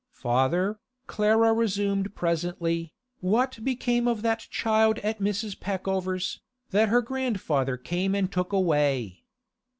'Father,' Clara resumed presently, 'what became of that child at Mrs. Peckover's, that her grandfather came and took away?